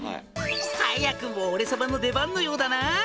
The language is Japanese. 「早くも俺様の出番のようだな！」